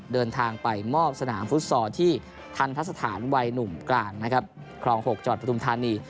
เดินทางไปมอบสนามฟุตซอร์ที่ทัณฑ์พระสถานวัยหนุ่มกลางครอง๖จวดประธุมธรรมดิน